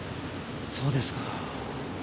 そうですか。